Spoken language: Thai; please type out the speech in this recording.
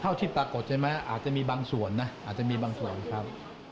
ที่ปรากฏใช่ไหมอาจจะมีบางส่วนนะอาจจะมีบางส่วนครับ